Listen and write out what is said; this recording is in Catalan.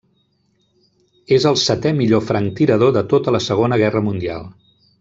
És el setè millor franctirador de tota la Segona Guerra Mundial.